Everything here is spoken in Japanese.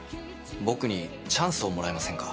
僕にチャンスをもらえませんか。